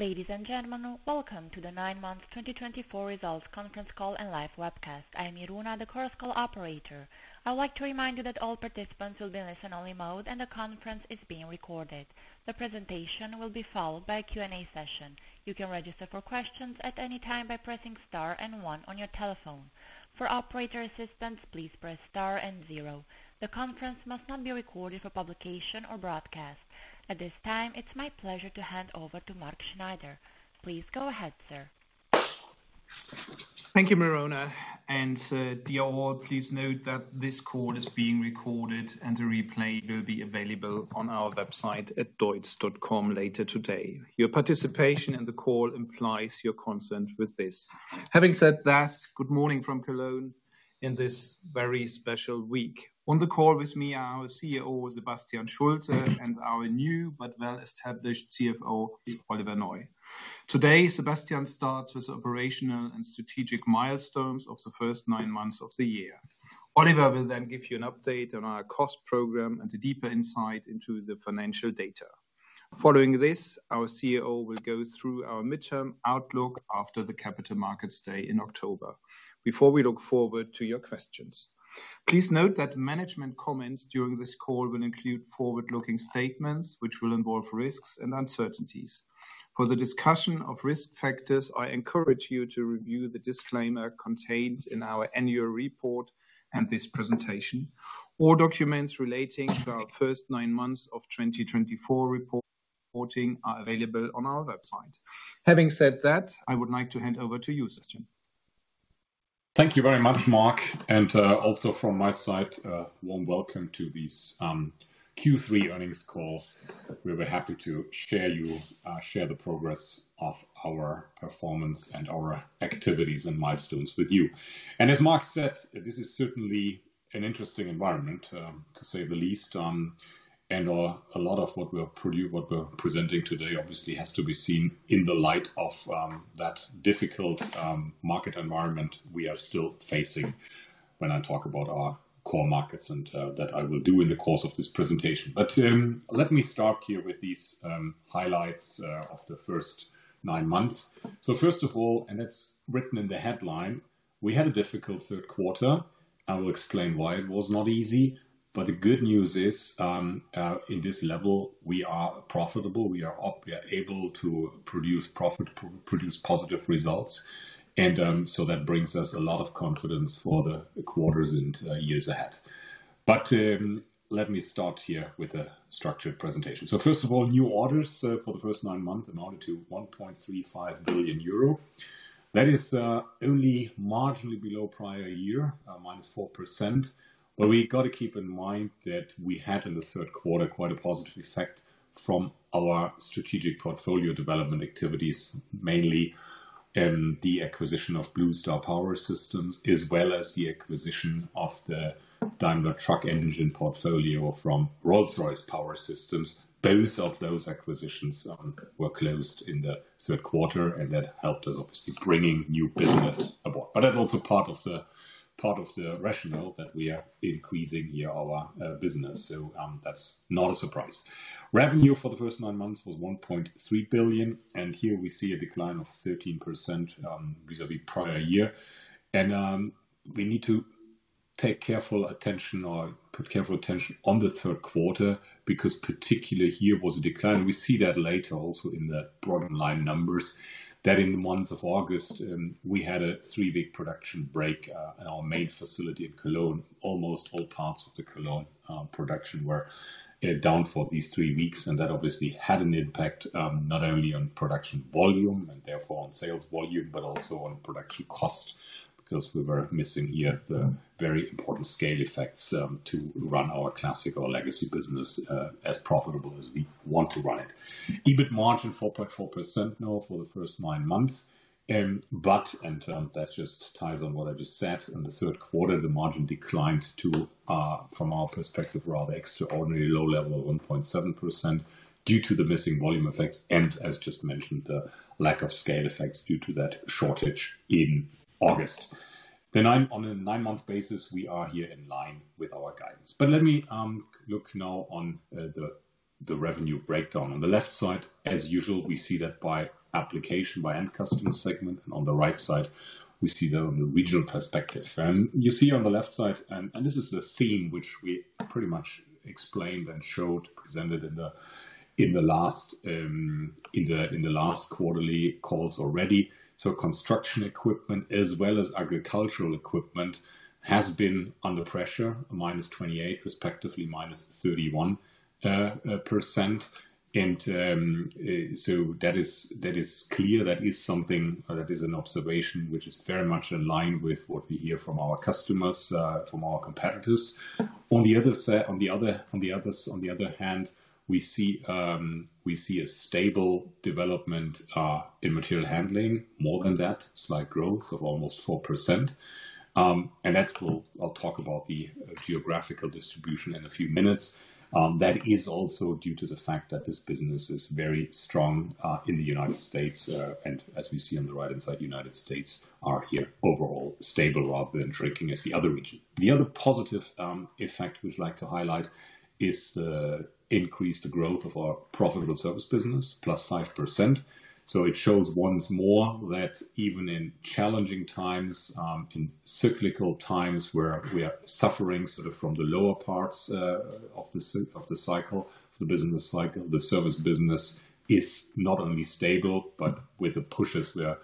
Ladies and gentlemen, welcome to the Nine Months 2024 Results Conference Call and Live Webcast. I am Mirona, the conference call operator. I would like to remind you that all participants will be in listen-only mode and the conference is being recorded. The presentation will be followed by a Q&A session. You can register for questions at any time by pressing star and one on your telephone. For operator assistance, please press star and zero. The conference must not be recorded for publication or broadcast. At this time, it's my pleasure to hand over to Mark Schneider. Please go ahead, sir. Thank you, Mirona. Dear all, please note that this call is being recorded and a replay will be available on our website at deutz.com later today. Your participation in the call implies your consent with this. Having said that, good morning from Cologne in this very special week. On the call with me are our CEO, Sebastian Schulte, and our new but well-established CFO, Oliver Neu. Today, Sebastian starts with operational and strategic milestones of the first nine months of the year. Oliver will then give you an update on our cost program and a deeper insight into the financial data. Following this, our CEO will go through our midterm outlook after the Capital Markets Day in October before we look forward to your questions. Please note that management comments during this call will include forward-looking statements which will involve risks and uncertainties. For the discussion of risk factors, I encourage you to review the disclaimer contained in our annual report and this presentation. All documents relating to our first nine months of 2024 reporting are available on our website. Having said that, I would like to hand over to you, Sebastian. Thank you very much, Mark. And also from my side, warm welcome to this Q3 earnings calls that we're very happy to share the progress of our performance and our activities and milestones with you. And as Mark said, this is certainly an interesting environment, to say the least, and a lot of what we're presenting today obviously has to be seen in the light of that difficult market environment we are still facing when I talk about our core markets, and that I will do in the course of this presentation. But let me start here with these highlights of the first nine months. So first of all, and that's written in the headline, we had a difficult third quarter. I will explain why it was not easy. But the good news is, in this level, we are profitable. We are up. We are able to produce profit, produce positive results, and so that brings us a lot of confidence for the quarters and years ahead, but let me start here with a structured presentation, so first of all, new orders for the first nine months amounted to 1.35 billion euro. That is only marginally below prior year, -4%. But we got to keep in mind that we had in the third quarter quite a positive effect from our strategic portfolio development activities, mainly the acquisition of Blue Star Power Systems as well as the acquisition of the Daimler Truck engine portfolio from Rolls-Royce Power Systems. Both of those acquisitions were closed in the third quarter, and that helped us obviously bringing new business aboard. But that's also part of the rationale that we are increasing here our business, so that's not a surprise. Revenue for the first nine months was 1.3 billion. Here we see a decline of 13%, vis-à-vis prior year. We need to take careful attention or put careful attention on the third quarter because particularly here was a decline. We see that later also in the bottom line numbers that in the months of August, we had a three-week production break, in our main facility in Cologne. Almost all parts of the Cologne production were down for these three weeks. That obviously had an impact, not only on production volume and therefore on sales volume but also on production cost because we were missing here the very important scale effects, to run our Classic or legacy business, as profitable as we want to run it. EBIT margin 4.4% now for the first nine months. That just ties on what I just said. In the third quarter, the margin declined to, from our perspective, rather extraordinarily low level of 1.7% due to the missing volume effects and, as just mentioned, the lack of scale effects due to that shortage in August. The nine on a nine-month basis, we are here in line with our guidance. But let me look now on the revenue breakdown. On the left side, as usual, we see that by application, by end customer segment. And on the right side, we see that on the regional perspective. You see on the left side, and this is the theme which we pretty much explained and showed, presented in the last quarterly calls already. So construction equipment as well as agricultural equipment has been under pressure, -28%, respectively, -31%. And so that is clear. That is something that is an observation which is very much in line with what we hear from our customers, from our competitors. On the other hand, we see a stable development in material handling. More than that, slight growth of almost 4%, and that, I'll talk about the geographical distribution in a few minutes. That is also due to the fact that this business is very strong in the United States. And as we see on the right-hand side, United States are here overall stable rather than shrinking as the other region. The other positive effect we'd like to highlight is increased growth of our profitable Service business, +5%. It shows once more that even in challenging times, in cyclical times where we are suffering sort of from the lower parts of the cycle, the business cycle, the Service business is not only stable but with the pushes we are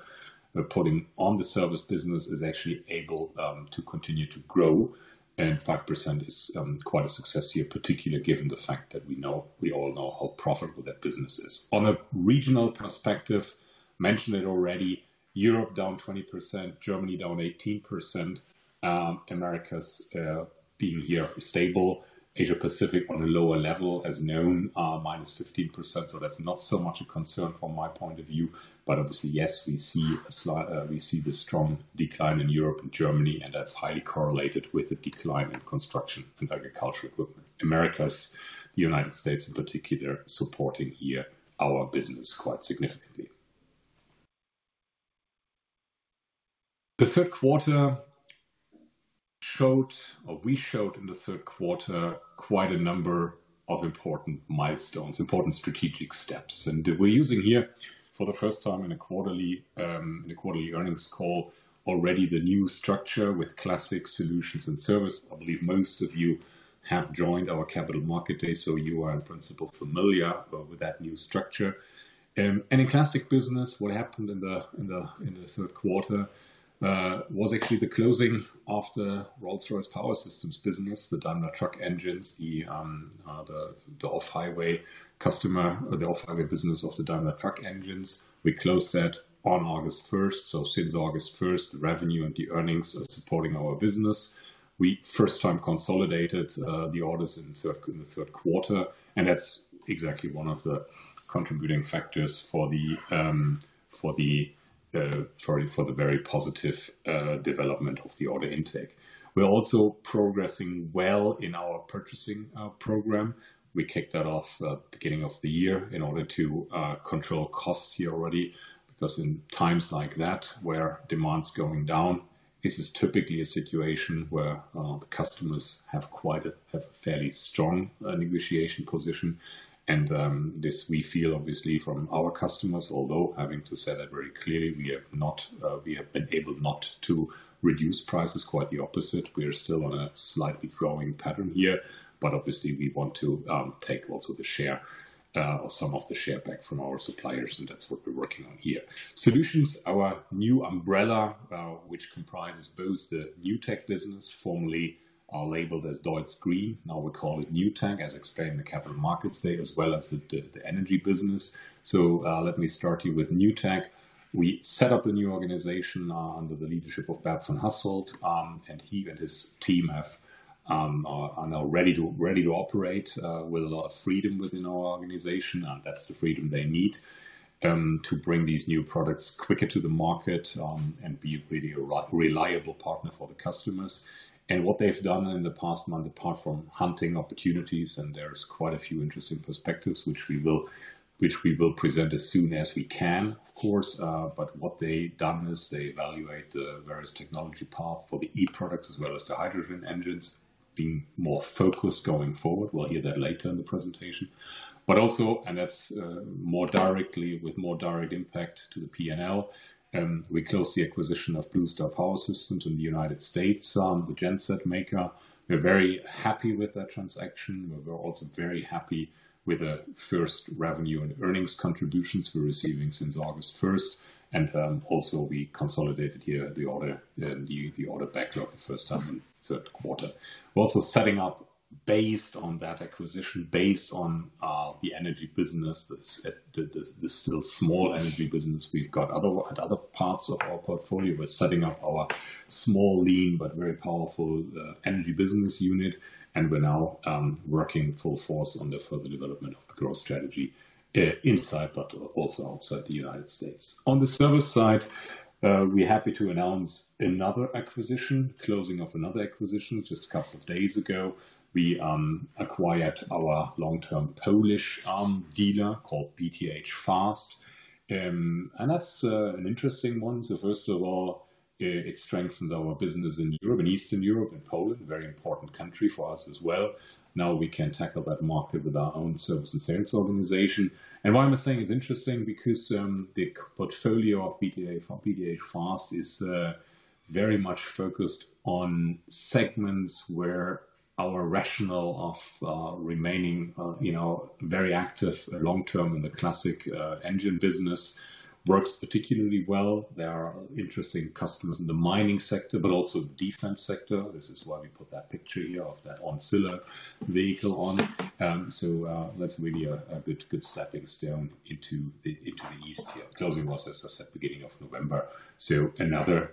putting on the Service business is actually able to continue to grow. And 5% is quite a success here, particularly given the fact that we know we all know how profitable that business is. On a regional perspective, mentioned it already, Europe down 20%, Germany down 18%. Americas being here stable. Asia-Pacific on a lower level, as known, -15%. That's not so much a concern from my point of view. But obviously, yes, we see the strong decline in Europe and Germany, and that's highly correlated with the decline in construction and agricultural equipment. Americas, the United States in particular, supporting here our business quite significantly. The third quarter showed, or we showed in the third quarter, quite a number of important milestones, important strategic steps. We're using here for the first time in a quarterly earnings call already the new structure with Classic, Solutions, and Service. I believe most of you have joined our Capital Markets Day. So you are in principle familiar with that new structure. In Classic business, what happened in the third quarter was actually the closing of the Rolls-Royce Power Systems business, the Daimler Truck engines, the off-highway business of the Daimler Truck engines. We closed that on August 1st. So since August 1st, the revenue and the earnings are supporting our business. We first time consolidated the orders in the third quarter. And that's exactly one of the contributing factors for the very positive development of the order intake. We're also progressing well in our purchasing program. We kicked that off beginning of the year in order to control cost here already because in times like that where demand's going down, this is typically a situation where the customers have quite a fairly strong negotiation position. And this we feel obviously from our customers, although having to say that very clearly, we have been able not to reduce prices. Quite the opposite. We are still on a slightly growing pattern here. But obviously, we want to take also the share, or some of the share back from our suppliers. And that's what we're working on here. Solutions, our new umbrella, which comprises both the New Tech business, formerly labeled as DEUTZ Green. Now we call it New Tech, as explained in the Capital Markets Day, as well as the Energy business. Let me start here with New Tech. We set up the new organization, under the leadership of Bert van Hasselt, and he and his team are now ready to operate, with a lot of freedom within our organization. That's the freedom they need, to bring these new products quicker to the market, and be a really reliable partner for the customers. What they've done in the past month, apart from hunting opportunities, and there's quite a few interesting perspectives which we will present as soon as we can, of course. But what they've done is they evaluate the various technology path for the e-products as well as the hydrogen engines being more focused going forward. We'll hear that later in the presentation. But also, and that's more directly with more direct impact to the P&L. We closed the acquisition of Blue Star Power Systems in the United States, the genset maker. We're very happy with that transaction. We're also very happy with the first revenue and earnings contributions we're receiving since August 1st. And also we consolidated here the order backlog the first time in the third quarter. We're also setting up based on that acquisition, based on the Energy business, the still small Energy business. We've got other parts of our portfolio. We're setting up our small lean but very powerful Energy business unit. We're now working full force on the further development of the growth strategy inside but also outside the United States. On the Service side, we're happy to announce another acquisition, closing of another acquisition just a couple of days ago. We acquired our long-term Polish dealer called BTH FAST, and that's an interesting one. First of all, it strengthens our business in Europe and Eastern Europe and Poland, very important country for us as well. Now we can tackle that market with our own service and sales organization. And why I'm saying it's interesting because the portfolio of BTH FAST is very much focused on segments where our rationale of remaining, you know, very active long-term in the Classic engine business works particularly well. There are interesting customers in the mining sector but also defense sector. This is why we put that picture here of that Oncilla vehicle on. So, that's really a good stepping stone into the east here. Closing was, as I said, beginning of November. So another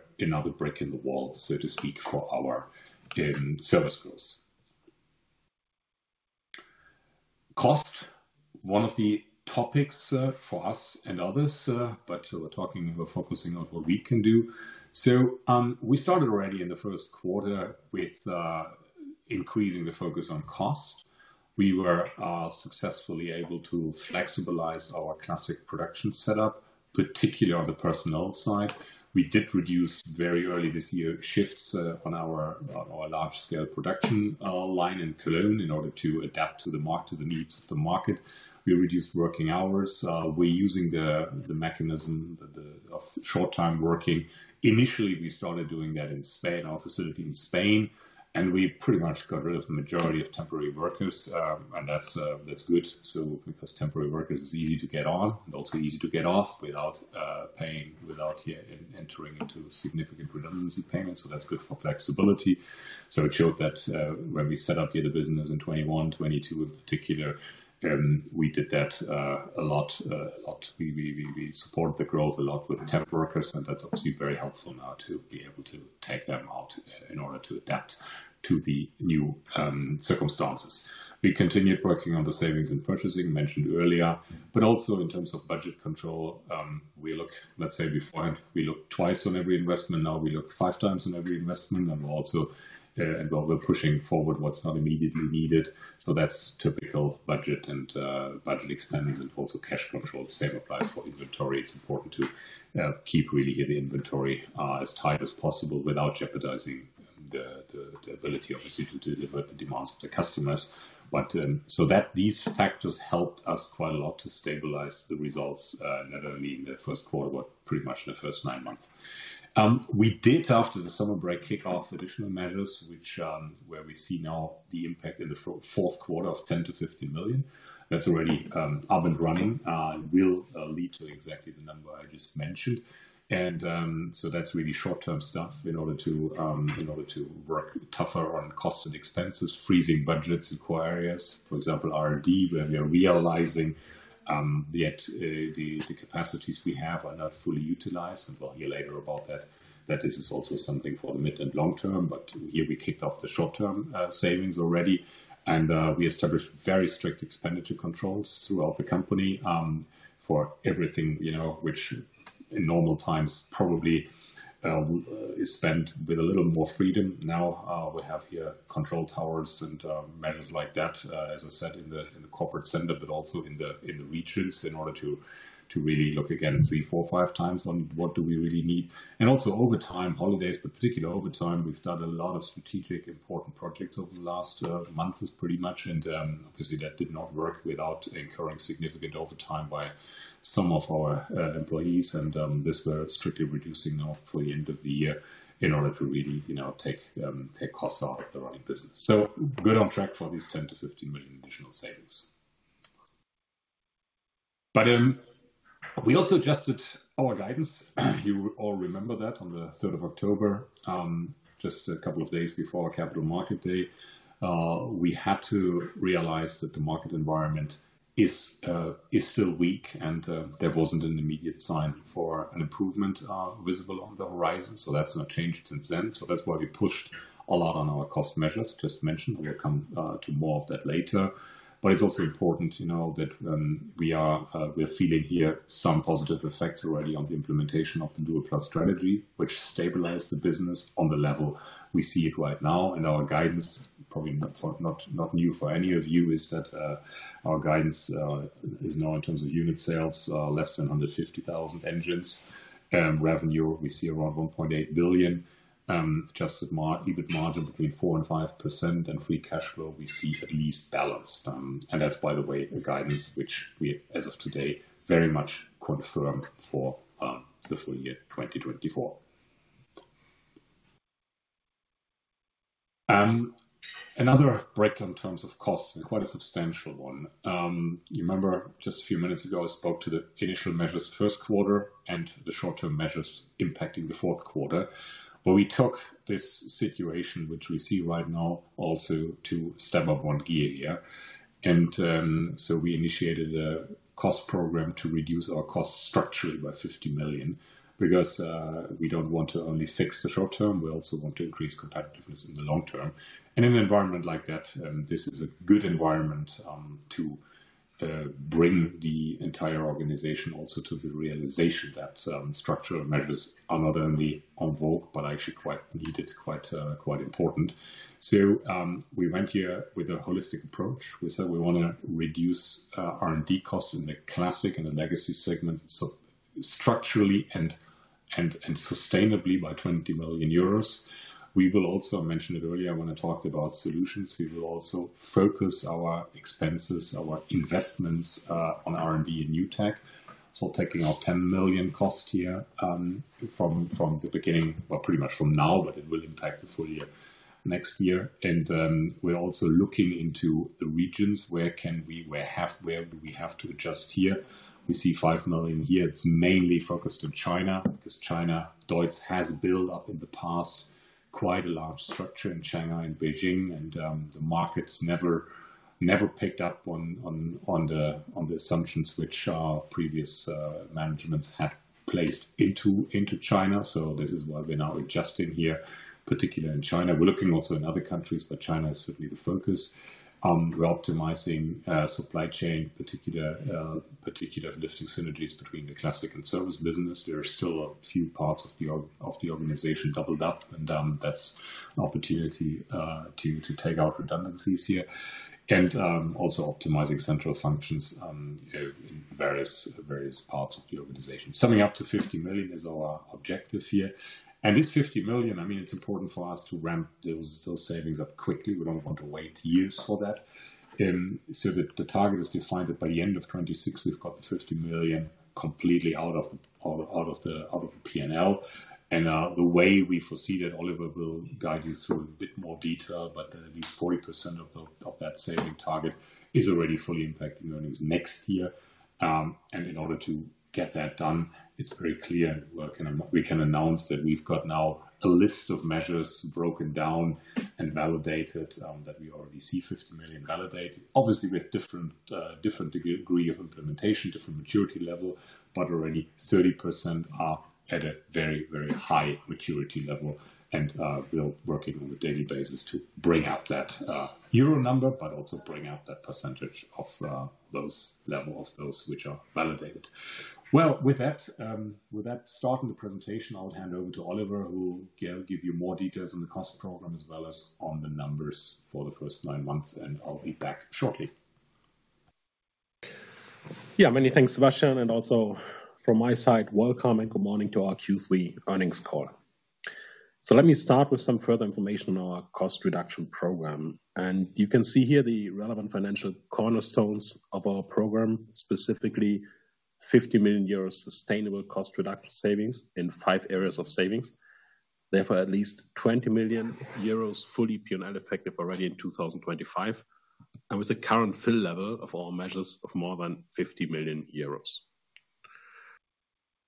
brick in the wall, so to speak, for our Service growth. Cost, one of the topics for us and others, but we're focusing on what we can do. So, we started already in the first quarter with increasing the focus on cost. We were successfully able to flexibilize our Classic production setup, particularly on the personnel side. We did reduce very early this year shifts on our large-scale production line in Cologne in order to adapt to the needs of the market. We reduced working hours. We're using the mechanism of short-time working. Initially, we started doing that in Spain, our facility in Spain. We pretty much got rid of the majority of temporary workers, and that's good because temporary workers is easy to get on and also easy to get off without paying, without having to enter into significant redundancy payments. That's good for flexibility. It showed that when we set up here the business in 2021, 2022 in particular, we did that a lot. We support the growth a lot with temp workers, and that's obviously very helpful now to be able to take them out in order to adapt to the new circumstances. We continued working on the savings and purchasing mentioned earlier, but also in terms of budget control, let's say beforehand we looked twice on every investment. Now we look five times on every investment. We're also pushing forward what's not immediately needed. That's typical budget expenditure and also cash control. Same applies for inventory. It's important to keep really here the inventory as tight as possible without jeopardizing the ability obviously to deliver the demands of the customers. These factors helped us quite a lot to stabilize the results, not only in the first quarter but pretty much in the first nine months. We did, after the summer break, kick off additional measures which we see now the impact in the fourth quarter of 10 million-15 million. That's already up and running. It will lead to exactly the number I just mentioned. That's really short-term stuff in order to work tougher on costs and expenses, freezing budgets in core areas. For example, R&D, where we are realizing yet the capacities we have are not fully utilized, and we'll hear later about that that this is also something for the mid and long-term, but here we kicked off the short-term savings already, and we established very strict expenditure controls throughout the company for everything you know which in normal times probably is spent with a little more freedom. Now we have here control towers and measures like that as I said in the corporate center but also in the regions in order to really look again three four five times on what do we really need. And also overtime holidays but particularly overtime we've done a lot of strategic important projects over the last months pretty much, and obviously that did not work without incurring significant overtime by some of our employees. This we're strictly reducing now for the end of the year in order to really, you know, take costs out of the running business. So we're good on track for these 10 million- 15 million additional savings. But we also adjusted our guidance. You all remember that on the 3rd of October, just a couple of days before our Capital Markets Day. We had to realize that the market environment is still weak. And there wasn't an immediate sign for an improvement visible on the horizon. So that's not changed since then. So that's why we pushed a lot on our cost measures just mentioned. We'll come to more of that later. But it's also important, you know, that we're feeling here some positive effects already on the implementation of the Dual+ strategy, which stabilized the business on the level we see it right now. And our guidance, probably not new for any of you, is now in terms of unit sales, less than 150,000 engines. Revenue, we see around 1.8 billion. Adjusted margin, EBIT margin between 4%-5%. And free cash flow, we see at least balanced. And that's, by the way, a guidance which we, as of today, very much confirm for the full year 2024. Another break in terms of costs and quite a substantial one. You remember just a few minutes ago I spoke to the initial measures first quarter and the short-term measures impacting the fourth quarter, where we took this situation which we see right now also to step up one gear here. So we initiated a cost program to reduce our costs structurally by 50 million because we don't want to only fix the short-term. We also want to increase competitiveness in the long-term. In an environment like that, this is a good environment to bring the entire organization also to the realization that structural measures are not only en vogue but actually quite needed, quite important. We went here with a holistic approach. We said we want to reduce R&D costs in the Classic and the legacy segment so structurally and sustainably by 20 million euros. We will also, I mentioned it earlier, I want to talk about Solutions. We will also focus our expenses, our investments, on R&D and New Tech. So taking out 10 million cost here, from the beginning, well, pretty much from now, but it will impact the full year next year. And, we're also looking into the regions. Where do we have to adjust here? We see 5 million here. It's mainly focused on China because China, DEUTZ has built up in the past quite a large structure in China and Beijing. And, the markets never picked up on the assumptions which our previous managements had placed into China. So this is why we're now adjusting here, particularly in China. We're looking also in other countries, but China is certainly the focus. We're optimizing the supply chain, in particular, lifting synergies between the Classic and Service business. There are still a few parts of the organization doubled up. That's an opportunity to take out redundancies here. Also optimizing central functions in various parts of the organization. Summing up to 50 million is our objective here. This 50 million, I mean, it's important for us to ramp those savings up quickly. We don't want to wait years for that. The target is defined that by the end of 2026, we've got the 50 million completely out of the P&L. The way we foresee that Oliver will guide you through in a bit more detail, but at least 40% of that saving target is already fully impacting earnings next year. And in order to get that done, it's very clear and we can announce that we've got now a list of measures broken down and validated, that we already see 50 million validated. Obviously, with different degree of implementation, different maturity level, but already 30% are at a very, very high maturity level. And we're working on a daily basis to bring out that euro number, but also bring out that percentage of those level of those which are validated. Well, with that starting the presentation, I'll hand over to Oliver who will give you more details on the cost program as well as on the numbers for the first nine months. And I'll be back shortly. Yeah, many thanks, Sebastian. And also from my side, welcome and good morning to our Q3 earnings call. So let me start with some further information on our cost reduction program. And you can see here the relevant financial cornerstones of our program, specifically 50 million euros sustainable cost reduction savings in five areas of savings. Therefore, at least 20 million euros fully P&L effective already in 2025. And with the current fill level of our measures of more than 50 million euros.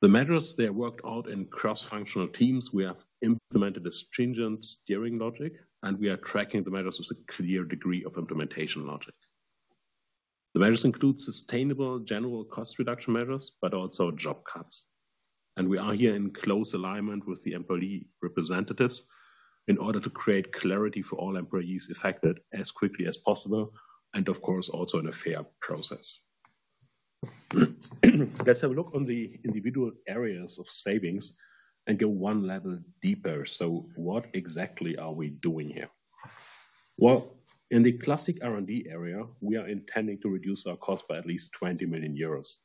The measures, they are worked out in cross-functional teams. We have implemented a stringent steering logic, and we are tracking the measures with a clear degree of implementation logic. The measures include sustainable general cost reduction measures, but also job cuts. And we are here in close alignment with the employee representatives in order to create clarity for all employees affected as quickly as possible. And of course, also in a fair process. Let's have a look on the individual areas of savings and go one level deeper. So what exactly are we doing here? Well, in the Classic R&D area, we are intending to reduce our cost by at least 20 million euros.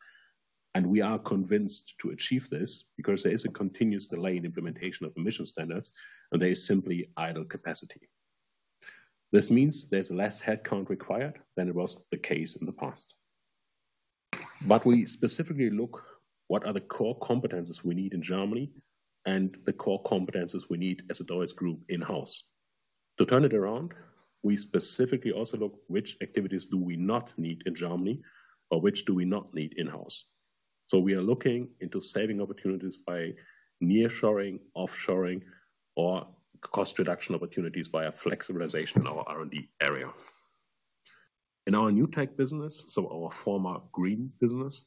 And we are convinced to achieve this because there is a continuous delay in implementation of emission standards and there is simply idle capacity. This means there's less headcount required than it was the case in the past. But we specifically look at what are the core competencies we need in Germany and the core competencies we need as a DEUTZ group in-house. To turn it around, we specifically also look at which activities do we not need in Germany or which do we not need in-house. So we are looking into saving opportunities by nearshoring, offshoring, or cost reduction opportunities via flexibilization in our R&D area. In our New Tech business, so our former Green business,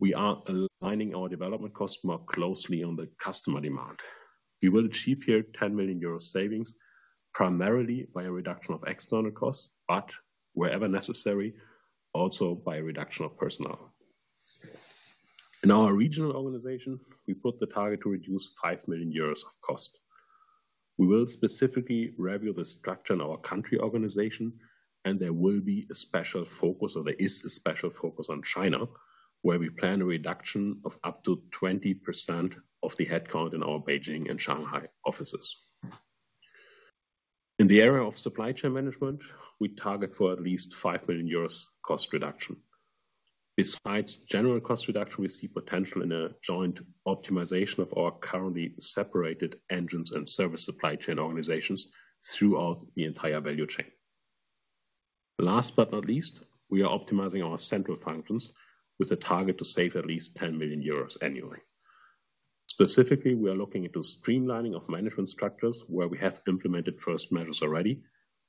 we are aligning our development cost more closely on the customer demand. We will achieve here 10 million euros savings primarily by a reduction of external costs, but wherever necessary, also by a reduction of personnel. In our regional organization, we put the target to reduce 5 million euros of cost. We will specifically review the structure in our country organization, and there will be a special focus, or there is a special focus on China, where we plan a reduction of up to 20% of the headcount in our Beijing and Shanghai offices. In the area of supply chain management, we target for at least 5 million euros cost reduction. Besides general cost reduction, we see potential in a joint optimization of our currently separated engines and service supply chain organizations throughout the entire value chain. Last but not least, we are optimizing our central functions with a target to save at least 10 million euros annually. Specifically, we are looking into streamlining of management structures where we have implemented first measures already,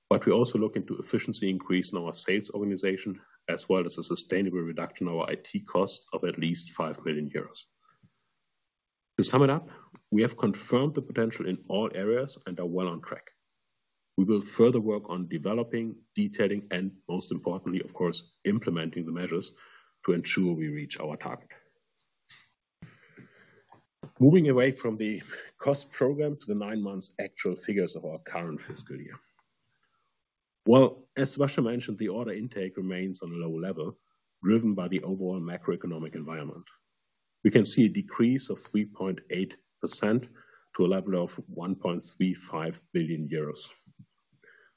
but we also look into efficiency increase in our sales organization as well as a sustainable reduction of our IT costs of at least 5 million euros. To sum it up, we have confirmed the potential in all areas and are well on track. We will further work on developing, detailing, and most importantly, of course, implementing the measures to ensure we reach our target. Moving away from the cost program to the nine months actual figures of our current fiscal year. As Sebastian mentioned, the order intake remains on a low level driven by the overall macroeconomic environment. We can see a decrease of 3.8% to a level of 1.35 billion euros.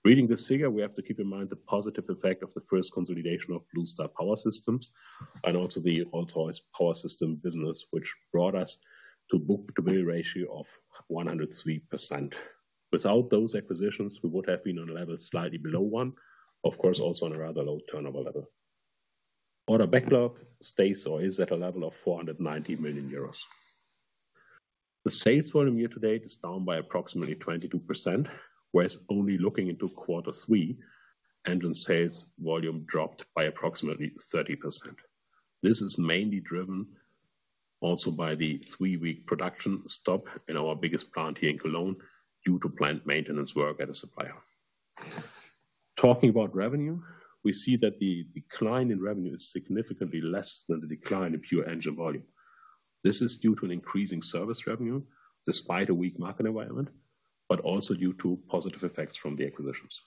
Reading this figure, we have to keep in mind the positive effect of the first consolidation of Blue Star Power Systems and also the Rolls-Royce Power Systems business, which brought us to book-to-bill ratio of 103%. Without those acquisitions, we would have been on a level slightly below one, of course, also on a rather low turnover level. Order backlog stays or is at a level of 490 million euros. The sales volume year-to-date is down by approximately 22%, whereas only looking into quarter three, engine sales volume dropped by approximately 30%. This is mainly driven also by the three-week production stop in our biggest plant here in Cologne due to plant maintenance work at a supplier. Talking about revenue, we see that the decline in revenue is significantly less than the decline in pure engine volume. This is due to an increasing service revenue despite a weak market environment, but also due to positive effects from the acquisitions.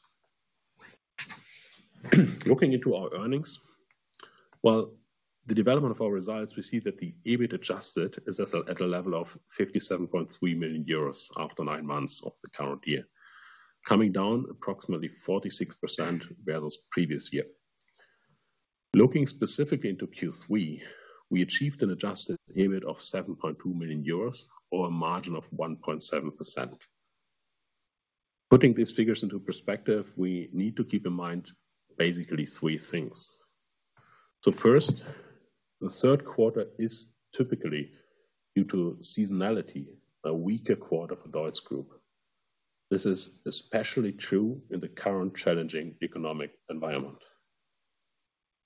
Looking into our earnings, well, the development of our results, we see that the EBIT adjusted is at a level of 57.3 million euros after nine months of the current year, coming down approximately 46% versus previous year. Looking specifically into Q3, we achieved an adjusted EBIT of 7.2 million euros or a margin of 1.7%. Putting these figures into perspective, we need to keep in mind basically three things. So first, the third quarter is typically due to seasonality, a weaker quarter for DEUTZ Group. This is especially true in the current challenging economic environment.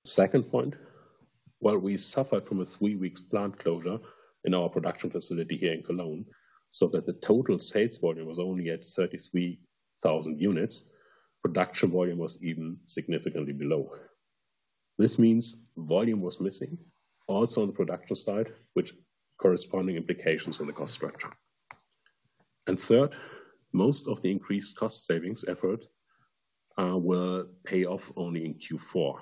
Second point, while we suffered from a three-week plant closure in our production facility here in Cologne, so that the total sales volume was only at 33,000 units, production volume was even significantly below. This means volume was missing also on the production side, with corresponding implications on the cost structure. And third, most of the increased cost savings effort will pay off only in Q4.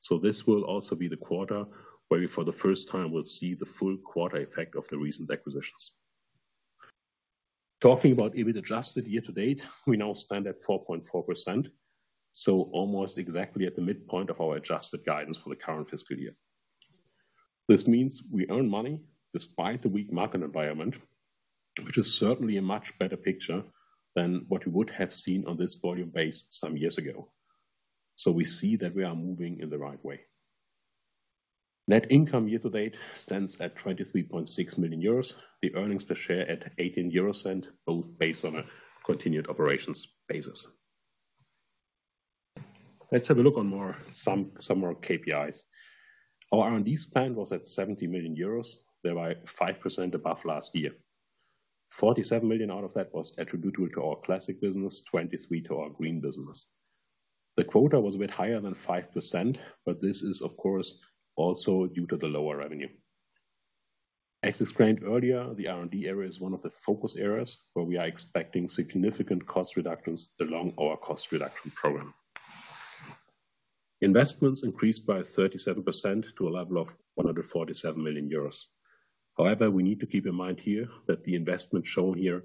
So this will also be the quarter where we for the first time will see the full quarter effect of the recent acquisitions. Talking about EBIT adjusted year-to-date, we now stand at 4.4%, so almost exactly at the midpoint of our adjusted guidance for the current fiscal year. This means we earn money despite the weak market environment, which is certainly a much better picture than what we would have seen on this volume base some years ago. So we see that we are moving in the right way. Net income year-to-date stands at 23.6 million euros, the earnings per share at 0.18, both based on a continued operations basis. Let's have a look on more summary KPIs. Our R&D spend was at 70 million euros, thereby 5% above last year. 47 million out of that was attributable to our Classic business, 23 million to our Green business. The quota was a bit higher than 5%, but this is of course also due to the lower revenue. As explained earlier, the R&D area is one of the focus areas where we are expecting significant cost reductions along our cost reduction program. Investments increased by 37% to a level of 147 million euros. However, we need to keep in mind here that the investment shown here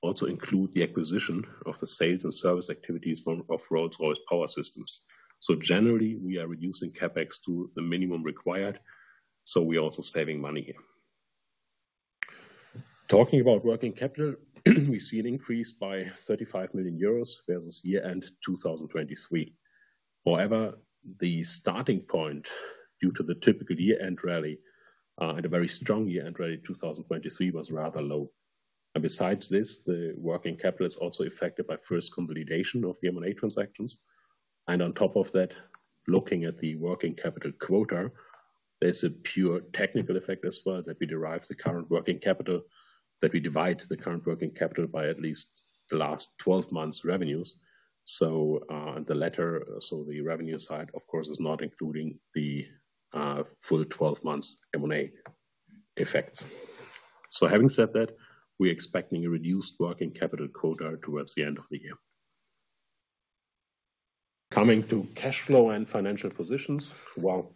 also includes the acquisition of the sales and service activities of Rolls-Royce Power Systems, so generally, we are reducing CapEx to the minimum required, so we are also saving money here. Talking about working capital, we see an increase by 35 million euros versus year-end 2023. However, the starting point due to the typical year-end rally and a very strong year-end rally in 2023 was rather low, and besides this, the working capital is also affected by first consolidation of the M&A transactions, and on top of that, looking at the working capital quota, there's a pure technical effect as well that we derive the current working capital, that we divide the current working capital by at least the last 12 months revenues. So the latter, so the revenue side, of course, is not including the full 12 months M&A effects. Having said that, we are expecting a reduced working capital quota towards the end of the year. Coming to cash flow and financial positions. Well,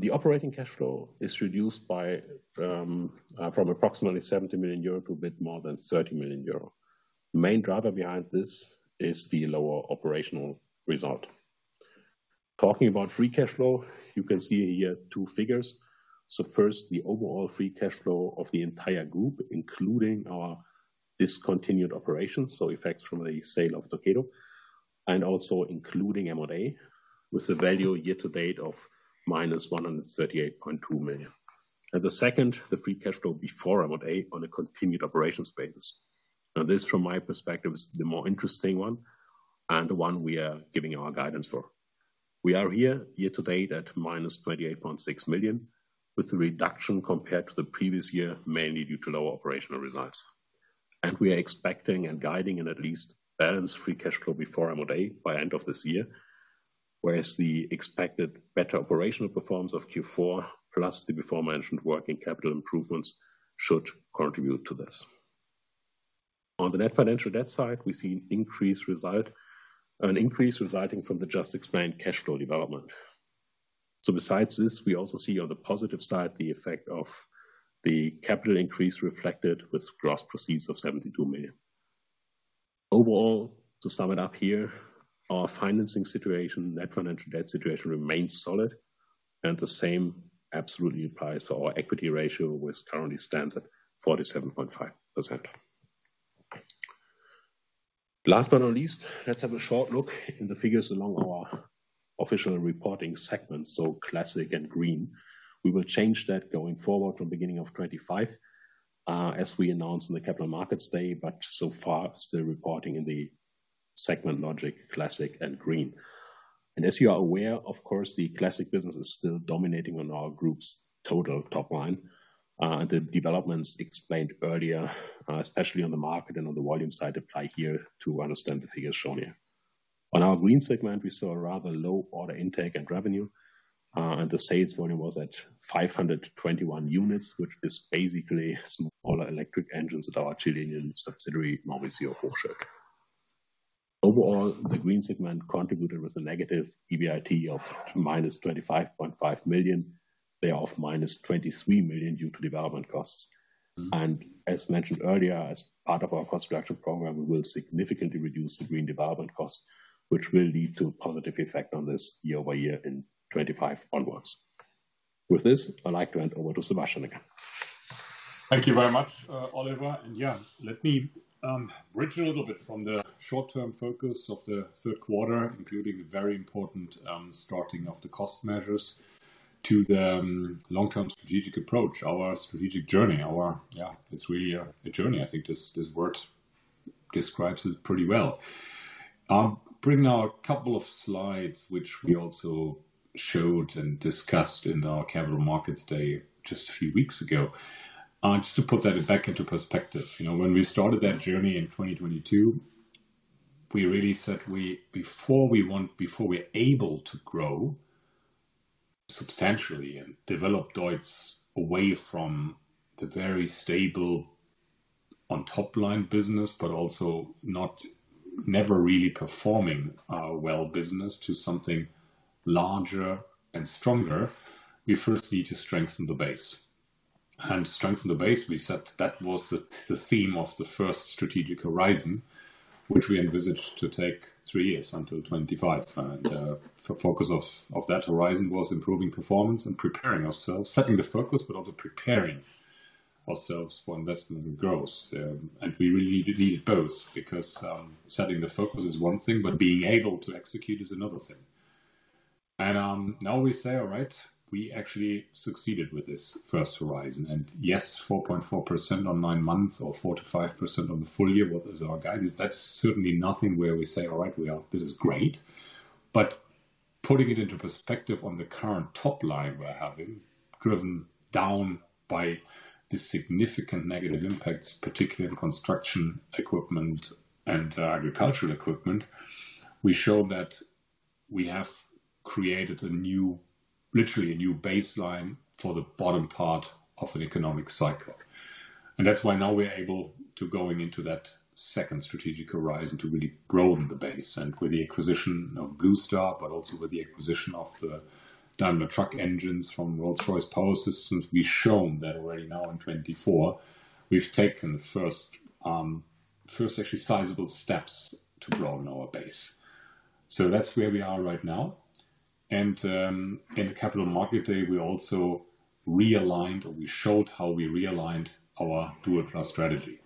the operating cash flow is reduced by from approximately 70 million euro to a bit more than 30 million euro. The main driver behind this is the lower operational result. Talking about free cash flow, you can see here two figures: so first, the overall free cash flow of the entire group, including our discontinued operations, so effects from the sale of Torqeedo, and also including M&A with a value year-to-date of -138.2 million, and the second, the free cash flow before M&A on a continued operations basis. Now, this from my perspective is the more interesting one and the one we are giving our guidance for. We are here year-to-date at -28.6 million with the reduction compared to the previous year, mainly due to lower operational results. And we are expecting and guiding an at least balanced free cash flow before M&A by end of this year, whereas the expected better operational performance of Q4 plus the before-mentioned working capital improvements should contribute to this. On the net financial debt side, we see an increase resulting from the just explained cash flow development. So besides this, we also see on the positive side the effect of the capital increase reflected with gross proceeds of 72 million. Overall, to sum it up here, our financing situation, net financial debt situation remains solid, and the same absolutely applies for our equity ratio with currently standing at 47.5%. Last but not least, let's have a short look in the figures along our official reporting segments, so Classic and Green. We will change that going forward from beginning of 2025 as we announced in the Capital Markets Day, but so far still reporting in the segment logic Classic and Green, and as you are aware, of course, the Classic business is still dominating on our group's total top line. The developments explained earlier, especially on the market and on the volume side, apply here to understand the figures shown here. On our Green segment, we saw a rather low order intake and revenue, and the sales volume was at 521 units, which is basically smaller electric engines at our Chilean subsidiary M. Hochschild. Overall, the Green segment contributed with a negative EBIT of -25.5 million. They are off -23 million due to development costs. As mentioned earlier, as part of our cost reduction program, we will significantly reduce the Green development cost, which will lead to a positive effect on this year-over-year in 2025 onwards. With this, I'd like to hand over to Sebastian again. Thank you very much, Oliver. Yeah, let me bridge a little bit from the short-term focus of the third quarter, including a very important starting of the cost measures to the long-term strategic approach, our strategic journey. Yeah, it's really a journey. I think this word describes it pretty well. I'll bring now a couple of slides, which we also showed and discussed in our Capital Markets Day just a few weeks ago. Just to put that back into perspective, when we started that journey in 2022, we really said before we're able to grow substantially and develop DEUTZ away from the very stable top-line business, but also never really performing our well business to something larger and stronger, we first need to strengthen the base. And to strengthen the base, we said that was the theme of the first strategic horizon, which we envisaged to take three years until 2025. And the focus of that horizon was improving performance and preparing ourselves, setting the focus, but also preparing ourselves for investment and growth. And we really needed both because setting the focus is one thing, but being able to execute is another thing. And now we say, "All right, we actually succeeded with this first horizon." And yes, 4.4% on nine months or 45% on the full year, what is our guidance? That's certainly nothing where we say, "All right, this is great." But putting it into perspective on the current top line we're having, driven down by the significant negative impacts, particularly in construction equipment and agricultural equipment, we show that we have created literally a new baseline for the bottom part of an economic cycle. And that's why now we're able to go into that second strategic horizon to really broaden the base. And with the acquisition of Blue Star, but also with the acquisition of the Daimler Truck engines from Rolls-Royce Power Systems, we've shown that already now in 2024, we've taken the first actually sizable steps to grow in our base. So that's where we are right now. And in the Capital Markets Day, we also realigned or we showed how we realigned our dual-+ strategy.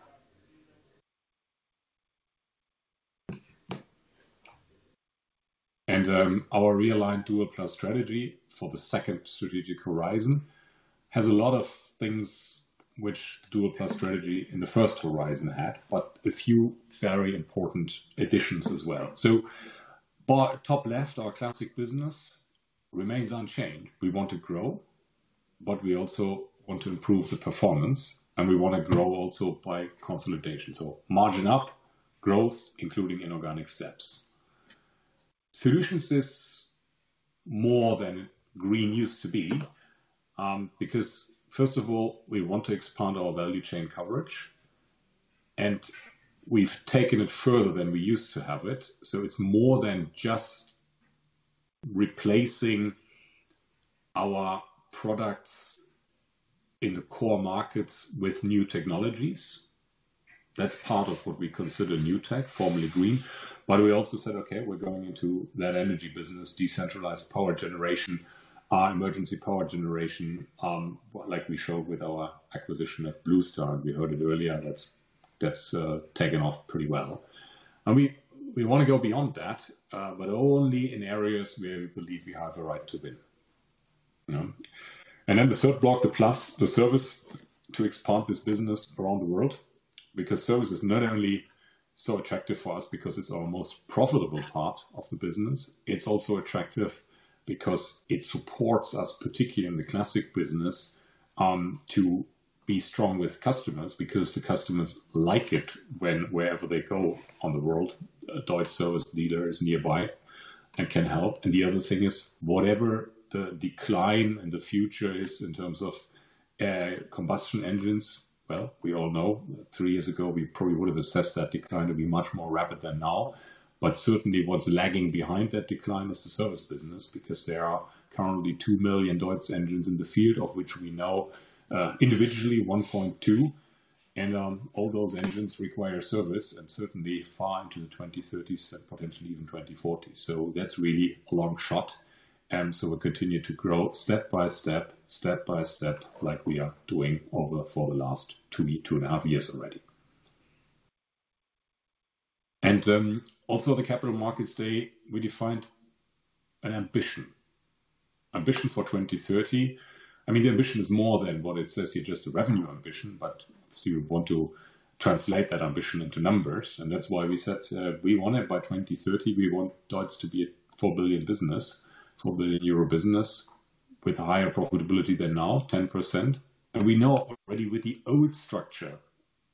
Our realigned Dual+ strategy for the second strategic horizon has a lot of things which Dual+ strategy in the first horizon had, but a few very important additions as well. So top left, our Classic business remains unchanged. We want to grow, but we also want to improve the performance, and we want to grow also by consolidation. So margin up, growth, including inorganic steps. Solutions is more than Green used to be because, first of all, we want to expand our value chain coverage, and we've taken it further than we used to have it. So it's more than just replacing our products in the core markets with New Technologies. That's part of what we consider New Tech, formerly Green. But we also said, "Okay, we're going into that Energy business, decentralized power generation, emergency power generation," like we showed with our acquisition of Blue Star. We heard it earlier. That's taken off pretty well, and we want to go beyond that, but only in areas where we believe we have the right to win, and then the third block, the Plus, the Service to expand this business around the world because Service is not only so attractive for us because it's our most profitable part of the business. It's also attractive because it supports us, particularly in the Classic business, to be strong with customers because the customers like it wherever they go on the world. DEUTZ Service Dealer is nearby and can help, and the other thing is whatever the decline in the future is in terms of combustion engines. Well, we all know three years ago, we probably would have assessed that decline to be much more rapid than now. But certainly, what's lagging behind that decline is the Service business because there are currently 2 million DEUTZ engines in the field, of which we know individually 1.2 million. And all those engines require service and certainly far into the 2030s and potentially even 2040. So that's really a long shot. And so we continue to grow step by step, step by step, like we are doing over the last two and a half years already. And also the Capital Markets Day, we defined an ambition. Ambition for 2030. I mean, the ambition is more than what it says here, just a revenue ambition, but we want to translate that ambition into numbers. And that's why we said we want it by 2030. We want DEUTZ to be a 4 billion business with higher profitability than now, 10%. And we know already with the old structure.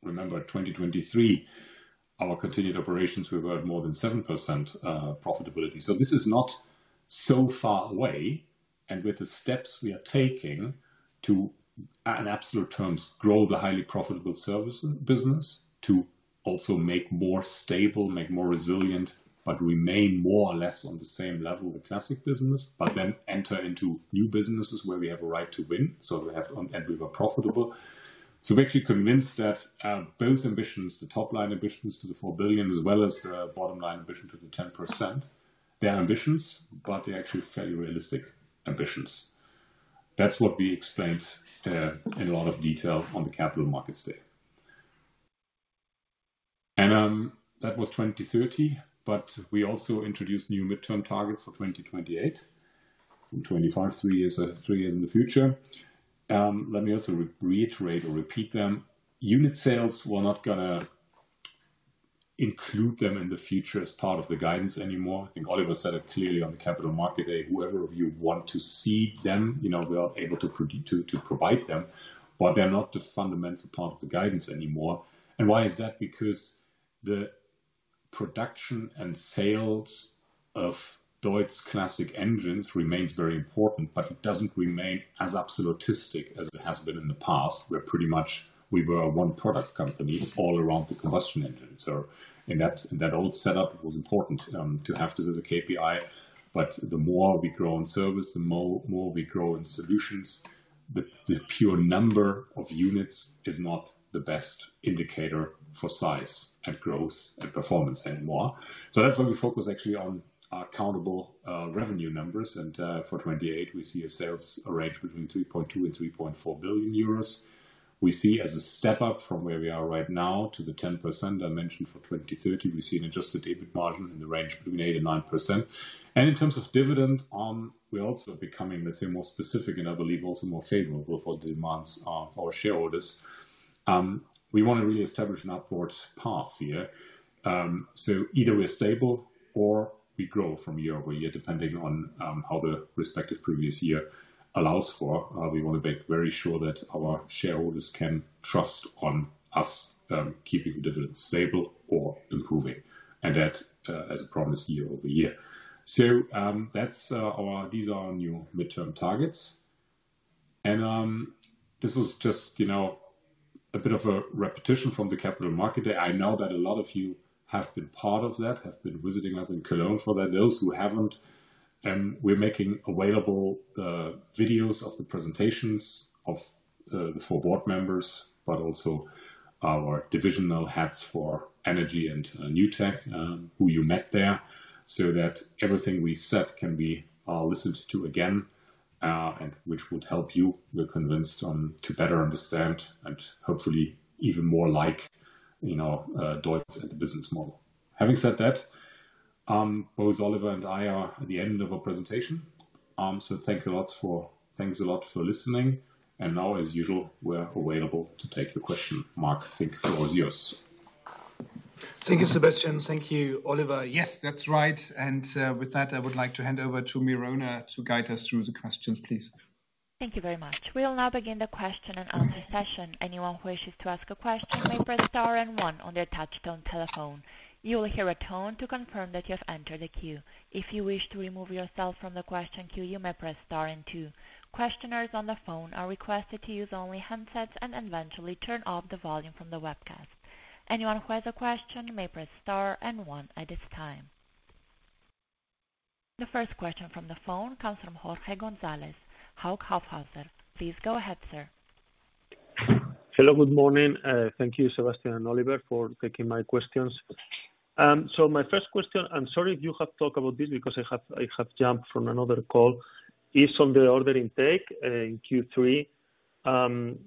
Remember 2023, our continued operations, we were at more than 7% profitability. So this is not so far away. And with the steps we are taking to, in absolute terms, grow the highly profitable Service business, to also make more stable, make more resilient, but remain more or less on the same level of the Classic business, but then enter into new businesses where we have a right to win. So we have and we were profitable. So we're actually convinced that both ambitions, the top line ambitions to the 4 billion, as well as the bottom line ambition to the 10%, they're ambitions, but they're actually fairly realistic ambitions. That's what we explained in a lot of detail on the Capital Markets Day. That was 2030, but we also introduced new midterm targets for 2028 and 2025, three years in the future. Let me also reiterate or repeat them. Unit sales were not going to include them in the future as part of the guidance anymore. I think Oliver said it clearly on the Capital Markets Day. Whoever of you want to see them, we are able to provide them, but they're not the fundamental part of the guidance anymore. And why is that? Because the production and sales of DEUTZ Classic engines remains very important, but it doesn't remain as absolutistic as it has been in the past, where pretty much we were a one-product company all around the combustion engine. So in that old setup, it was important to have this as a KPI. But the more we grow in Service, the more we grow in Solutions, the pure number of units is not the best indicator for size and growth and performance anymore. So that's why we focus actually on accountable revenue numbers. And for 2028, we see a sales range between 3.2 billion and 3.4 billion euros. We see as a step up from where we are right now to the 10% I mentioned for 2030, we see an adjusted EBIT margin in the range between 8% and 9%. And in terms of dividend, we're also becoming, let's say, more specific and I believe also more favorable for the demands of our shareholders. We want to really establish an upward path here. So either we're stable or we grow from year over year, depending on how the respective previous year allows for. We want to make very sure that our shareholders can trust in us keeping the dividends stable or improving, and that is a promise year over year. So these are our new midterm targets. And this was just a bit of a repetition from the Capital Markets Day. I know that a lot of you have been part of that, have been visiting us in Cologne for that. Those who haven't, we're making available videos of the presentations of the four board members, but also our divisional heads for Energy and New Tech, who you met there, so that everything we said can be listened to again, which would help you, we're convinced, to better understand and hopefully even more like DEUTZ and the business model. Having said that, both Oliver and I are at the end of our presentation. So thanks a lot for listening. And now, as usual, we're available to take your questions, Mark. Thank you for all yours. Thank you, Sebastian. Thank you, Oliver. Yes, that's right. And with that, I would like to hand over to Mirona to guide us through the questions, please. Thank you very much. We'll now begin the question and answer session. Anyone who wishes to ask a question may press star and one on their touch-tone telephone. You will hear a tone to confirm that you have entered the queue. If you wish to remove yourself from the question queue, you may press star and two. Questioners on the phone are requested to use only handsets and eventually turn off the volume from the webcast. Anyone who has a question may press star and one at this time. The first question from the phone comes from Jorge Gonzalez, Hauck Aufhäuser. Please go ahead, sir. Hello, good morning. Thank you, Sebastian and Oliver, for taking my questions. My first question, I'm sorry if you have talked about this because I have jumped from another call, is on the order intake in Q3.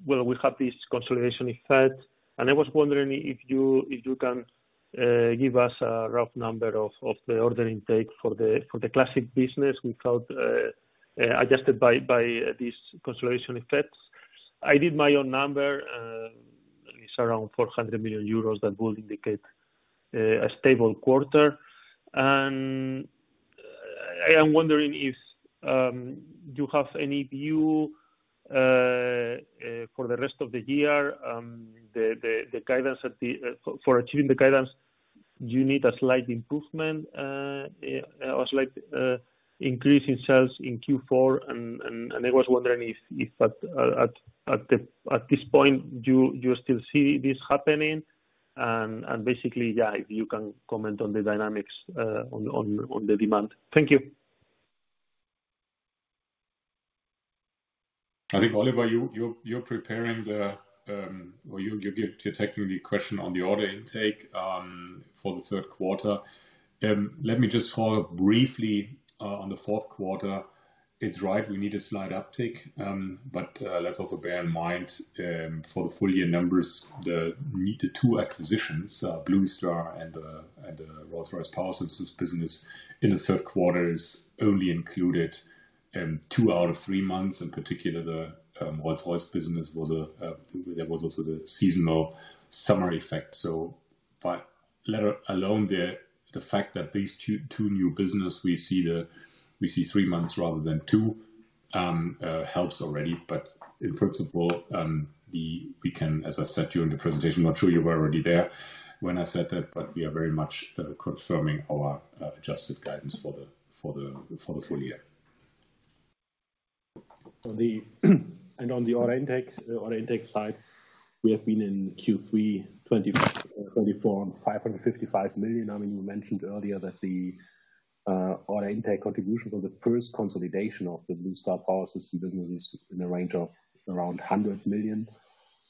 We have this consolidation effect, and I was wondering if you can give us a rough number of the order intake for the Classic business adjusted by this consolidation effect. I did my own number. It's around 400 million euros that will indicate a stable quarter. I am wondering if you have any view for the rest of the year, the guidance for achieving the guidance. You need a slight improvement, a slight increase in sales in Q4, and I was wondering if at this point you still see this happening. Basically, yeah, if you can comment on the dynamics on the demand. Thank you. I think, Oliver, you're taking the question on the order intake for the third quarter. Let me just follow up briefly on the fourth quarter. It's right. We need a slight uptick, but let's also bear in mind for the full year numbers, the two acquisitions, Blue Star and the Rolls-Royce Power Systems business in the third quarter is only included two out of three months. In particular, the Rolls-Royce business was. There was also the seasonal summer effect. So let alone the fact that these two new businesses, we see three months rather than two, helps already. But in principle, we can, as I said during the presentation, not sure you were already there when I said that, but we are very much confirming our adjusted guidance for the full year. On the order intake side, we have been in Q3 2024 on 555 million. I mean, you mentioned earlier that the order intake contributions on the first consolidation of the Blue Star Power Systems business is in the range of around 100 million.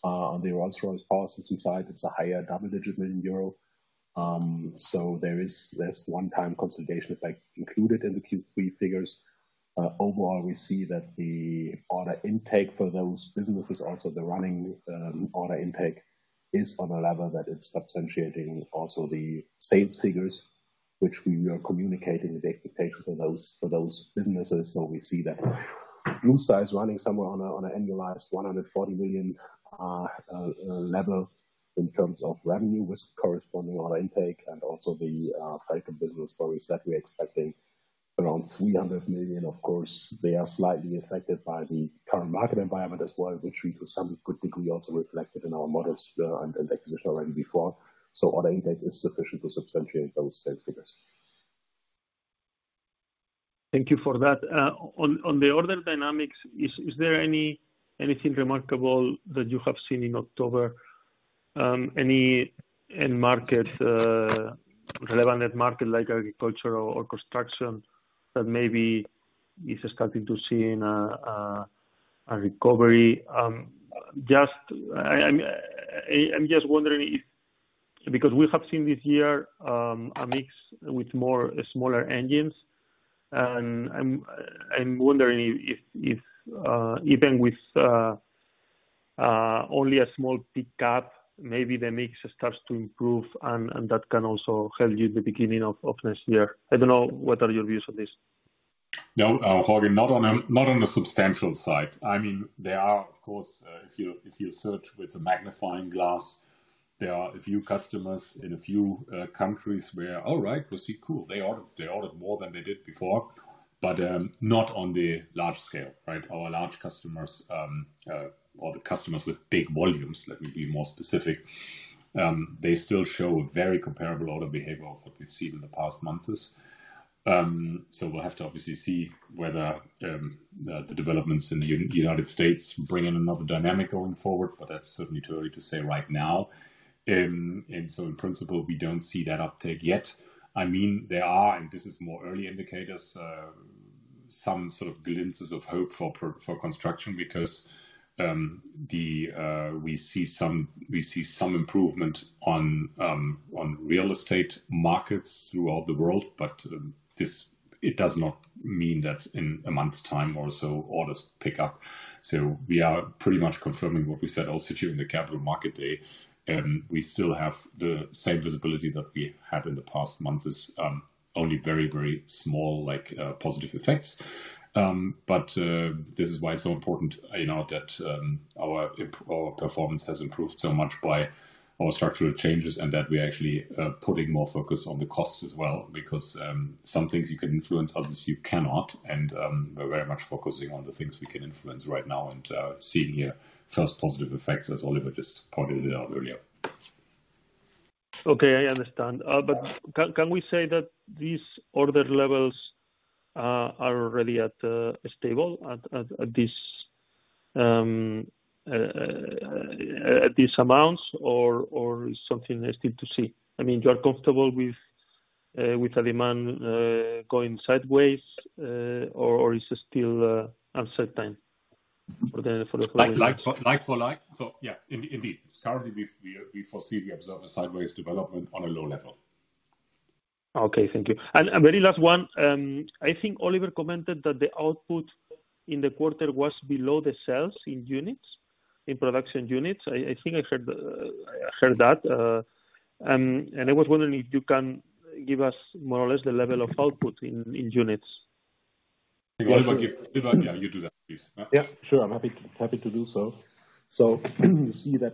On the Rolls-Royce Power Systems side, it's a higher double-digit million euro. So there's one-time consolidation effect included in the Q3 figures. Overall, we see that the order intake for those businesses, also the running order intake, is on a level that it's substantiating also the sales figures, which we are communicating the expectation for those businesses. So we see that Blue Star Power Systems is running somewhere on an annualized 140 million level in terms of revenue with corresponding order intake and also the Daimler Truck business stories that we're expecting around 300 million. Of course, they are slightly affected by the current market environment as well, which we, too, to some good degree also reflected in our models and acquisition already before. So order intake is sufficient to substantiate those sales figures. Thank you for that. On the order dynamics, is there anything remarkable that you have seen in October? Any relevant market like agriculture or construction that maybe is starting to see a recovery? I'm just wondering if because we have seen this year a mix with more smaller engines, and I'm wondering if even with only a small pickup, maybe the mix starts to improve, and that can also help you at the beginning of next year. I don't know what are your views on this. No, I'll take it. Not on the substantial side. I mean, there are, of course, if you search with a magnifying glass, there are a few customers in a few countries where, all right, we'll see, cool, they ordered more than they did before, but not on the large scale, right? Our large customers or the customers with big volumes, let me be more specific, they still show very comparable order behavior of what we've seen in the past months. So we'll have to obviously see whether the developments in the United States bring in another dynamic going forward, but that's certainly too early to say right now. And so in principle, we don't see that uptake yet. I mean, there are, and this is more early indicators, some sort of glimpses of hope for construction because we see some improvement on real estate markets throughout the world, but it does not mean that in a month's time or so, orders pick up. So we are pretty much confirming what we said also during the Capital Markets Day. We still have the same visibility that we had in the past months, only very, very small positive effects. But this is why it's so important that our performance has improved so much by our structural changes and that we're actually putting more focus on the cost as well because some things you can influence, others you cannot. And we're very much focusing on the things we can influence right now and seeing here first positive effects, as Oliver just pointed it out earlier. Okay, I understand. But can we say that these order levels are already at a stable at these amounts, or is something nice to see? I mean, you are comfortable with a demand going sideways, or is it still uncertain for the following? Like for like. So yeah, indeed. Currently, we observe a sideways development on a low level. Okay, thank you. And very last one. I think Oliver commented that the output in the quarter was below the sales in units, in production units. I think I heard that. And I was wondering if you can give us more or less the level of output in units. Oliver, yeah, you do that, please. Yeah, sure. I'm happy to do so. So you see that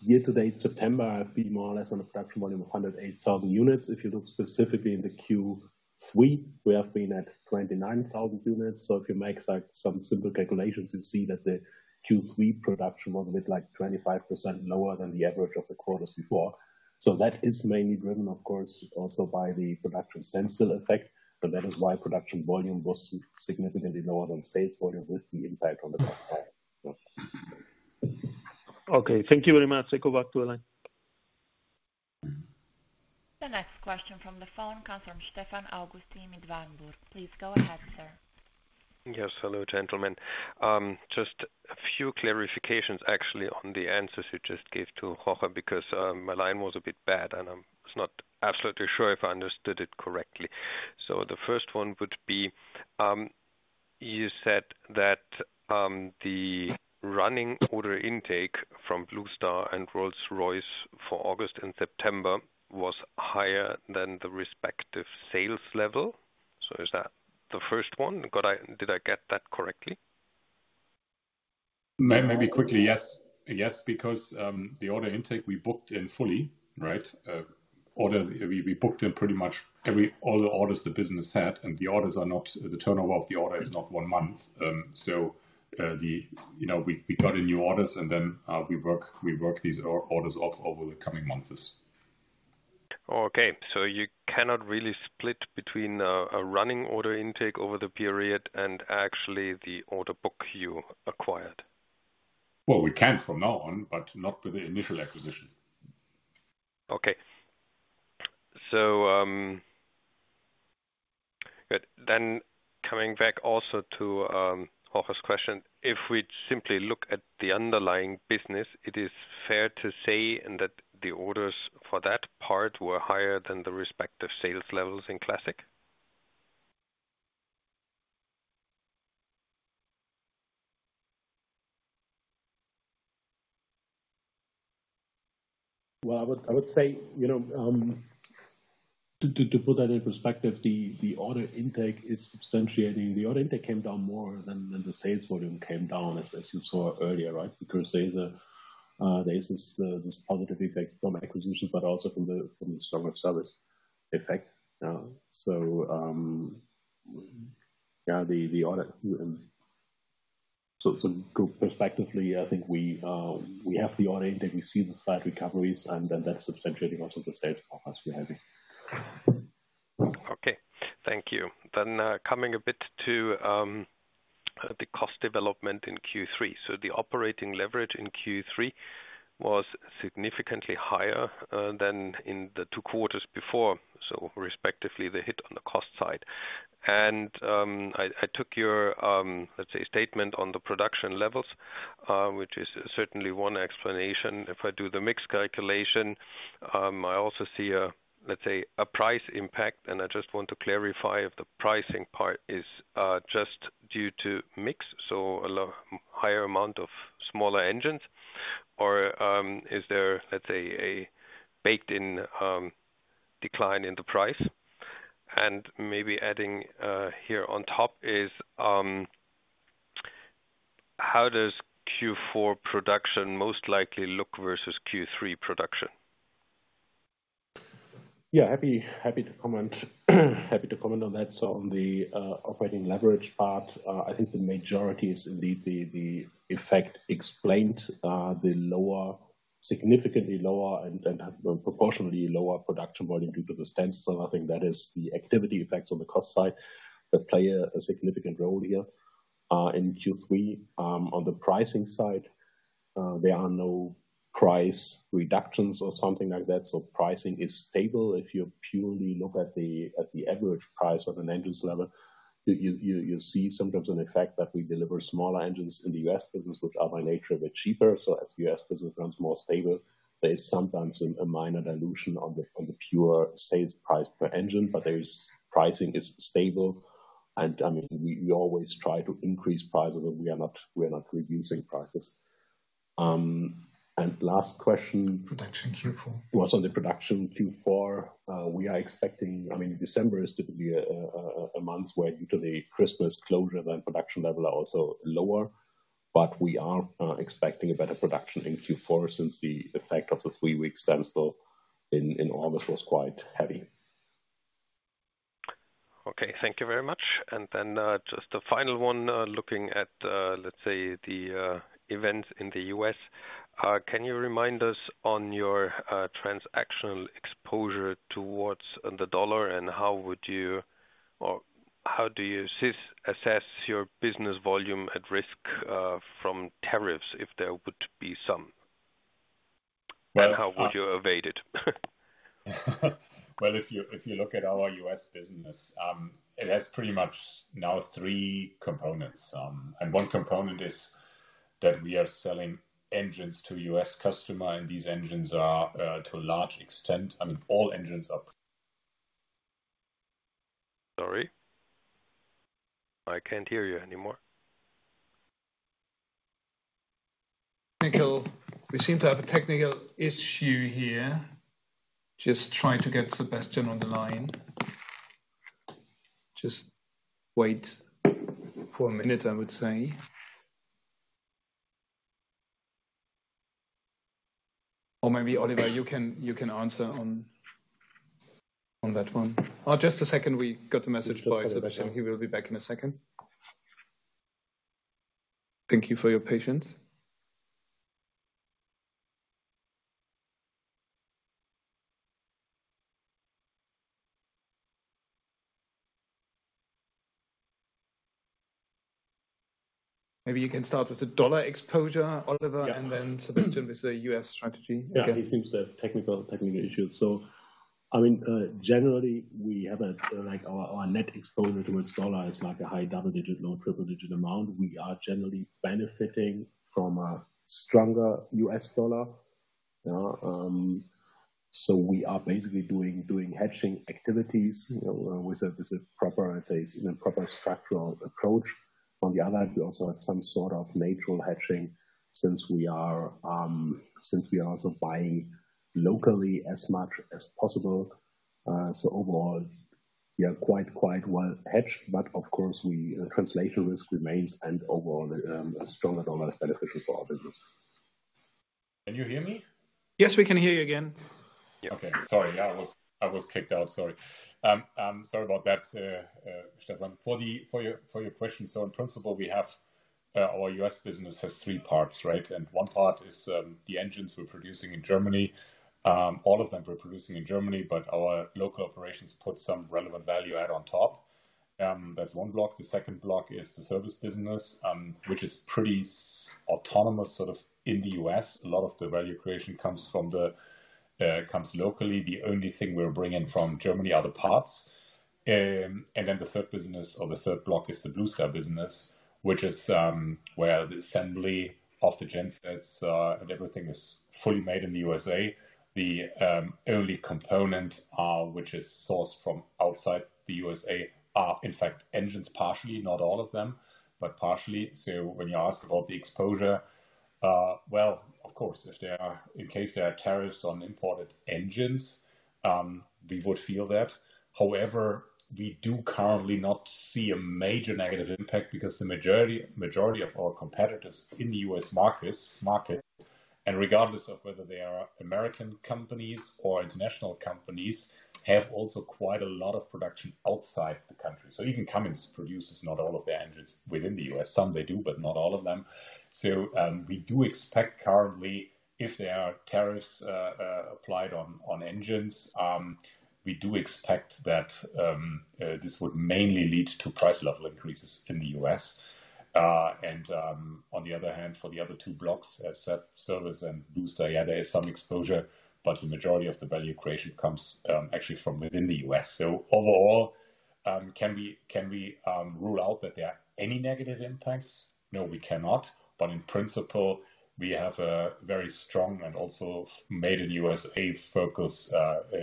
year-to-date September, I've been more or less on a production volume of 108,000 units. If you look specifically in the Q3, we have been at 29,000 units. So if you make some simple calculations, you see that the Q3 production was a bit like 25% lower than the average of the quarters before. So that is mainly driven, of course, also by the production seasonal effect, but that is why production volume was significantly lower than sales volume with the impact on the cost. Okay, thank you very much. I go back to the line. The next question from the phone comes from Stefan Augustin from Warburg. Please go ahead, sir. Yes, hello, gentlemen. Just a few clarifications, actually, on the answers you just gave to Jorge because my line was a bit bad and I'm not absolutely sure if I understood it correctly. So the first one would be you said that the running order intake from Blue Star and Rolls-Royce for August and September was higher than the respective sales level. So is that the first one? Did I get that correctly? Maybe quickly, yes. Yes, because the order intake we booked in fully, right? We booked in pretty much all the orders the business had, and the orders are not the turnover of the order is not one month. So we got in new orders, and then we work these orders off over the coming months. Okay. So you cannot really split between a running order intake over the period and actually the order book you acquired? Well, we can from now on, but not with the initial acquisition. Okay. So then coming back also to Jorge's question, if we simply look at the underlying business, it is fair to say that the orders for that part were higher than the respective sales levels in Classic? Well, I would say to put that in perspective, the order intake is substantiating. The order intake came down more than the sales volume came down, as you saw earlier, right? Because there's this positive effect from acquisition, but also from the stronger service effect. So yeah, the order so perspectively, I think we have the order intake, we see the slight recoveries, and then that's substantiating also the sales profits we're having. Okay. Thank you. Then coming a bit to the cost development in Q3. So the operating leverage in Q3 was significantly higher than in the two quarters before. So respectively, the hit on the cost side. I took your, let's say, statement on the production levels, which is certainly one explanation. If I do the mix calculation, I also see, let's say, a price impact. I just want to clarify if the pricing part is just due to mix, so a higher amount of smaller engines, or is there, let's say, a baked-in decline in the price? Maybe adding here on top is how does Q4 production most likely look versus Q3 production? Yeah, happy to comment on that. On the operating leverage part, I think the majority is indeed the effect explained, the lower, significantly lower, and proportionally lower production volume due to the seasonal. I think that is the activity effects on the cost side that play a significant role here in Q3. On the pricing side, there are no price reductions or something like that. Pricing is stable. If you purely look at the average price on an engine's level, you see sometimes an effect that we deliver smaller engines in the U.S. business, which are by nature a bit cheaper. So as the U.S. business becomes more stable, there is sometimes a minor dilution on the pure sales price per engine, but pricing is stable. And I mean, we always try to increase prices, but we are not reducing prices. And last question. Production Q4. It was on the production Q4. We are expecting, I mean, December is typically a month where usually Christmas closure and production level are also lower, but we are expecting a better production in Q4 since the effect of the three-week shutdown in August was quite heavy. Okay. Thank you very much. And then just the final one, looking at, let's say, the events in the U.S., can you remind us on your transactional exposure towards the dollar, and how would you or how do you assess your business volume at risk from tariffs, if there would be some? And how would you evade it? Well, if you look at our U.S. business, it has pretty much now three components. And one component is that we are selling engines to U.S. customers, and these engines are to a large extent, I mean, all engines are. Sorry? I can't hear you anymore. We seem to have a technical issue here. Just try to get Sebastian on the line. Just wait for a minute, I would say. Or maybe Oliver, you can answer on that one. Oh, just a second. We got a message by Sebastian. He will be back in a second. Thank you for your patience. Maybe you can start with the dollar exposure, Oliver, and then Sebastian with the U.S. strategy. Yeah, he seems to have technical issues. So I mean, generally, we have our net exposure towards dollar is like a high double-digit, low triple-digit amount. We are generally benefiting from a stronger U.S. dollar. So we are basically doing hedging activities with a proper, I'd say, in a proper structural approach. On the other hand, we also have some sort of natural hedging since we are also buying locally as much as possible. So overall, we are quite well hedged, but of course, the translation risk remains, and overall, a stronger dollar is beneficial for our business. Can you hear me? Yes, we can hear you again. Okay. Sorry. I was kicked out. Sorry. Sorry about that, Stefan. For your question, so in principle, our U.S. business has three parts, right? And one part is the engines we're producing in Germany. All of them we're producing in Germany, but our local operations put some relevant value add on top. That's one block. The second block is the Service business, which is pretty autonomous sort of in the U.S. A lot of the value creation comes locally. The only thing we're bringing from Germany are the parts. And then the third business, or the third block, is the Blue Star business, which is where the assembly of the gensets and everything is fully made in the USA. The only component which is sourced from outside the USA are, in fact, engines, partially, not all of them, but partially. So when you ask about the exposure, well, of course, in case there are tariffs on imported engines, we would feel that. However, we do currently not see a major negative impact because the majority of our competitors in the U.S. market, and regardless of whether they are American companies or international companies, have also quite a lot of production outside the country. So even Cummins produces not all of their engines within the U.S. Some they do, but not all of them. So we do expect currently, if there are tariffs applied on engines, we do expect that this would mainly lead to price level increases in the U.S. And on the other hand, for the other two blocks, as said, Service and Blue Star, yeah, there is some exposure, but the majority of the value creation comes actually from within the U.S. So overall, can we rule out that there are any negative impacts? No, we cannot. But in principle, we have a very strong and also made in USA focus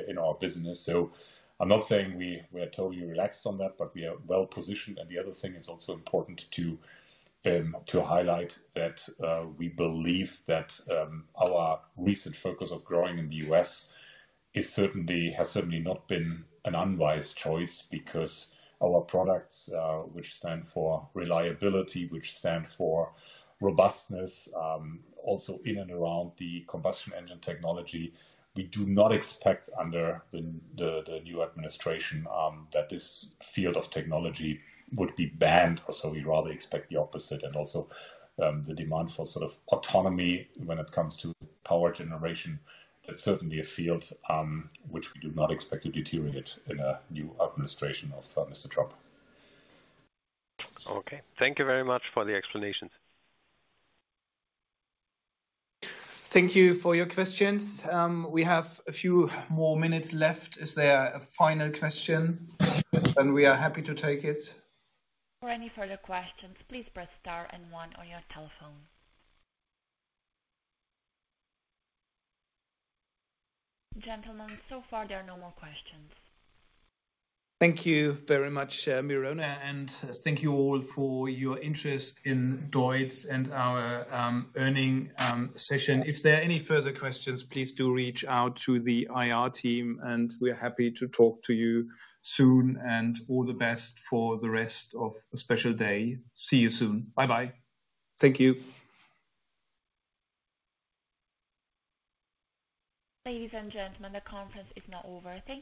in our business. So I'm not saying we are totally relaxed on that, but we are well positioned. And the other thing is also important to highlight that we believe that our recent focus of growing in the U.S. has certainly not been an unwise choice because our products, which stand for reliability, which stand for robustness, also in and around the combustion engine technology, we do not expect under the new administration that this field of technology would be banned. So we rather expect the opposite. And also the demand for sort of autonomy when it comes to power generation, that's certainly a field which we do not expect to deteriorate in a new administration of Mr. Trump. Okay. Thank you very much for the explanations. Thank you for your questions. We have a few more minutes left. Is there a final question? And we are happy to take it. For any further questions, please press star and one on your telephone. Gentlemen, so far there are no more questions. Thank you very much, Mirona. And thank you all for your interest in DEUTZ and our earnings session. If there are any further questions, please do reach out to the IR team, and we are happy to talk to you soon. And all the best for the rest of a special day. See you soon. Bye-bye. Thank you. Ladies and gentlemen, the conference is now over. Thank you.